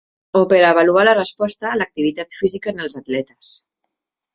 O per a avaluar la resposta a l'activitat física en els atletes.